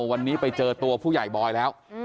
วันนี้ไปเจอตัวผู้ใหญ่บอยแล้ว